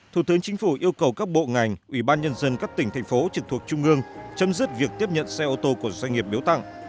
thủ tướng chính phủ yêu cầu các bộ ngành ủy ban nhân dân các tỉnh thành phố trực thuộc trung ương chấm dứt việc tiếp nhận xe ô tô của doanh nghiệp biếu tặng